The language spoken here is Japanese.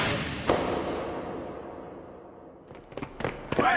おい！